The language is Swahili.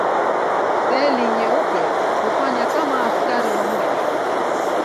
Seli nyeupe hufanya kama askari wa mwili.